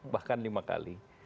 bahkan lima kali